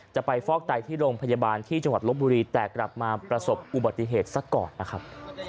จะไปฟอกไตที่โรงพยาบาลที่จังหวัดลบบุรีแต่กลับมาประสบอุบัติเหตุซะก่อนนะครับ